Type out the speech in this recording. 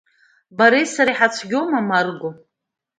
Бареи сареи ҳацәгьоума, Марго?